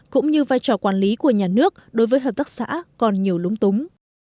cũng như vai trò quản lý của nhà nước đối với hợp tác xã còn nhiều lúng túng